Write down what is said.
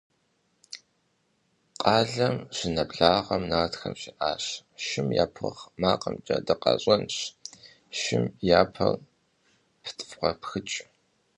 Къалэм щынэблагъэм, нартхэм жаӏащ: – Шым я пырхъ макъымкӏэ дыкъащӏэнщ, шым я пэр пыдвгъэпхыкӏ.